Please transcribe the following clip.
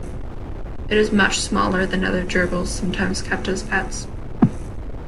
It is much smaller than other gerbils sometimes kept as pets.